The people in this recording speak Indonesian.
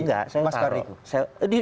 nggak saya taruh